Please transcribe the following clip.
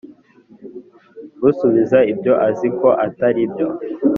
usubiza ibyo azi ko atari byo